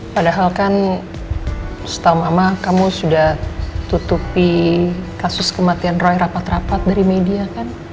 padahal kan setahun lama kamu sudah tutupi kasus kematian roy rapat rapat dari media kan